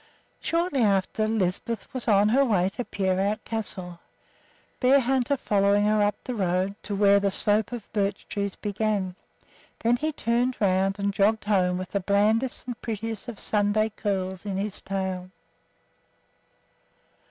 Shortly afterward Lisbeth was on her way to Peerout Castle, Bearhunter following her up the road to where the slope of birch trees began; then he turned around and jogged home with the blandest and prettiest of Sunday curls in his tail.